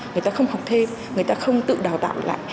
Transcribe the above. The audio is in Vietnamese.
người ta không học thêm người ta không tự đào tạo lại